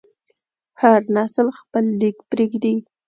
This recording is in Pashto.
هر نسل خپل لیک پرېږدي.